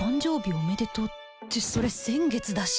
おめでとうってそれ先月だし